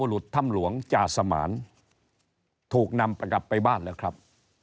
หลุดถ้ำหลวงจาสมานถูกนำกลับไปบ้านแล้วครับ